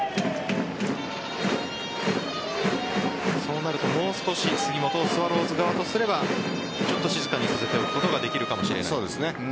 そうなるともう少し杉本をスワローズ側とすれば静かにさせておくことができるかもしれないですね。